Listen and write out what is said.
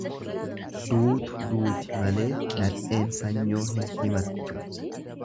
Duutu duuti malee nadheen sanyoo hin himattu.